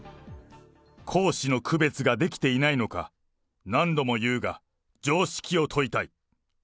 公私の区別ができていないのか、何度も言うが、常識を問いたい。